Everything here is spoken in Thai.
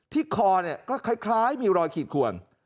คอเนี่ยก็คล้ายมีรอยขีดขวน